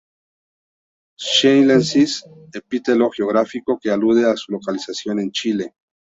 Chilensis: epíteto geográfico que alude a su localización en Chile.